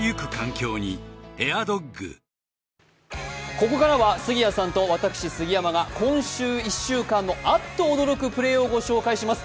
ここからは杉谷さんと私、杉山が今週１週間のあっと驚くプレーをご紹介します。